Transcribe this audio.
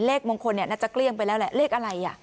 มงคลน่าจะเกลี้ยงไปแล้วแหละเลขอะไร